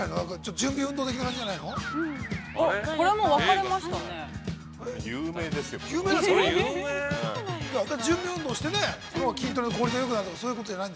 ◆準備運動的な感じなんじゃないの？